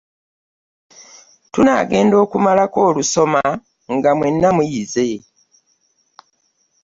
Tunaagenda okumalako olusoma nga mwenna muyize.